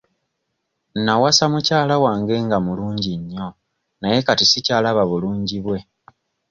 Nawasa mukyala wange nga mulungi nnyo naye kati sikyalaba bulungi bwe.